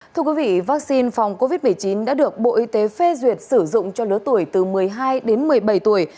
thưa quý vị vaccine phòng covid một mươi chín đã được bộ y tế phê duyệt sử dụng cho lứa tuổi từ một mươi hai đến một mươi bảy tuổi